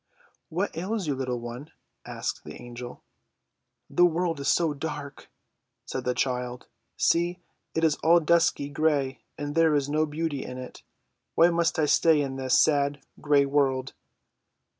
"What ails you, little one?" asked the Angel. "The world is so dark!" said the child. "See, it is all dusky gray, and there is no beauty in it. Why must I stay in this sad, gray world?"